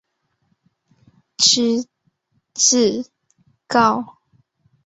知制诰。